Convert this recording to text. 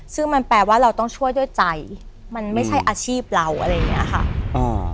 ซึ่งมันแปลว่าเราต้องช่วยด้วยใจมันไม่ใช่อาชีพเราอะไรอย่างเงี้ยค่ะอ่า